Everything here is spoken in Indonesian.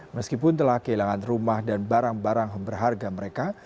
meskipun telah kehilangan rumah dan barang barang berharga mereka